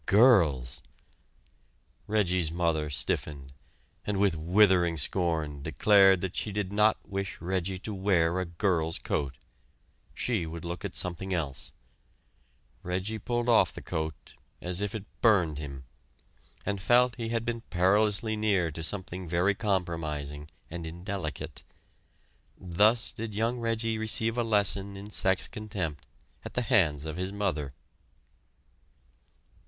Girls! Reggie's mother stiffened, and with withering scorn declared that she did not wish Reggie to wear a girl's coat. She would look at something else. Reggie pulled off the coat, as if it burned him, and felt he had been perilously near to something very compromising and indelicate. Thus did young Reggie receive a lesson in sex contempt at the hands of his mother!